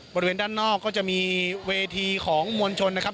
บริเวณด้านนอกก็จะมีเวทีของมวลชนนะครับ